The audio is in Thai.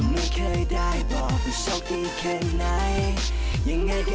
เนี่ยคือหวานเลี่ยนมากคือ